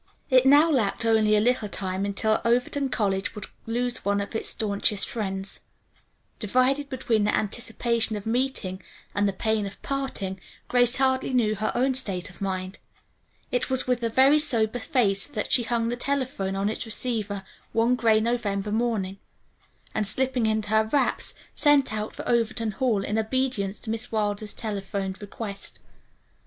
It now lacked only a little time until Overton College would lose one of its staunchest friends. Divided between the anticipation of meeting and the pain of parting, Grace hardly knew her own state of mind. It was with a very sober face that she hung the telephone on its receiver one gray November morning, and slipping into her wraps, set out for Overton Hall in obedience to Miss Wilder's telephoned request.